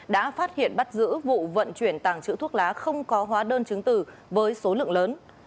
đã phát hiện bắt giữ vụ vận chuyển tàng trữ thuốc lá không có hóa đơn chứng tử với số lượng lớn